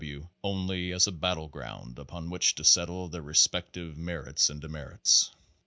W. only as a battle ground upon which to settle their respective merits and demerits.